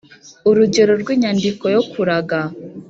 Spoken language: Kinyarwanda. urugero rw’inyandiko yo kuraga.